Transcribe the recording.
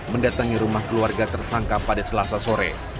mendatangi rumah keluarga tersangka pada selasa sore